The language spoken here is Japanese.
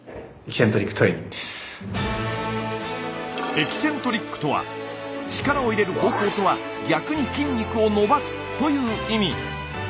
「エキセントリック」とは力を入れる方向とは逆に筋肉を伸ばすという意味。